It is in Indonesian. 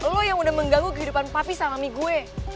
lo yang udah mengganggu kehidupan papi sama mami gue